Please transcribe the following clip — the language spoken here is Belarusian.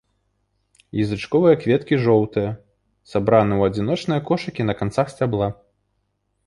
Язычковыя кветкі жоўтыя, сабраны ў адзіночныя кошыкі на канцах сцябла.